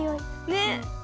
ねっ。